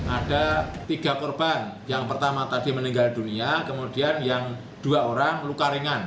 ada tiga korban yang pertama tadi meninggal dunia kemudian yang dua orang luka ringan